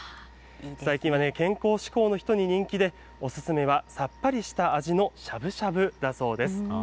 最近は健康志向の人に人気で、お勧めはさっぱりした味のしゃぶしゃぶだそうです。